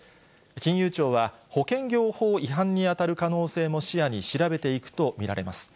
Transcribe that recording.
金融庁は、保険業法違反に当たる可能性も視野に調べていくと見られます。